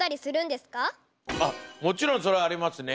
もちろんそれはありますね。